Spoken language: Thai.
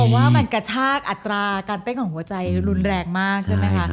ผมว่ามันกระชากอัตราการเต้นของหัวใจรุนแรงมากใช่ไหมคะ